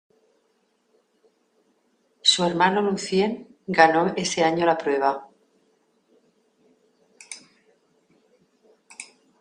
Su hermano Lucien ganó ese año la prueba.